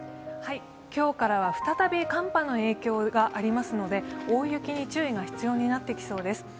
今日からは再び寒波の影響がありますので大雪に注意が必要になってきそうです。